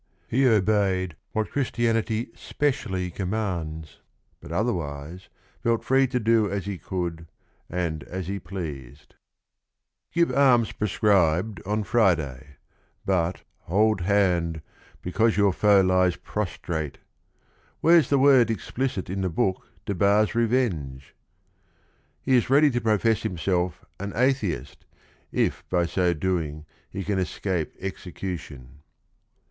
He obeyed what Christianity specially commands, but otherwise felt free to do as he could and as he pleased. GUIDO 195 "Give alms prescribed on Friday: — but, hold band Because your foe lies prostrate, — where 's the word Explicit in the book debars revenge? " He is ready to profess himself an "atheist" if by so doing he can escape execution.